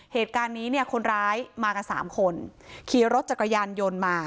เหตุการณ์นี้เนี่ยคนร้ายมากันสามคนขี่รถจักรยานยนต์มา